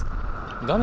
画面